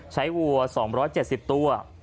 ใช้วัว๒๗๐ตัว